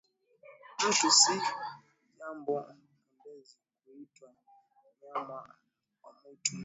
Mtu si jambo pendezi, kuitwa nyama wa mwitu